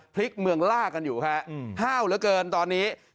พลิกเมืองล่ากันอยู่ฮะห้าวเหลือเกินตอนนี้